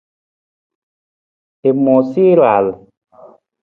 I moosa i raal.